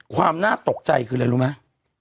ความน่าตกใจคืออะไรรู้ไหม